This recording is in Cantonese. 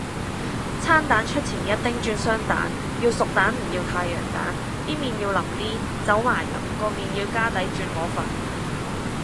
餐蛋出前一丁轉雙蛋，要熟蛋唔要太陽蛋，啲麵要淋啲，走麻油，個麵要加底轉河粉